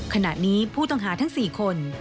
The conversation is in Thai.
ขณะนี้ผู้ต้องหาทั้ง๔คน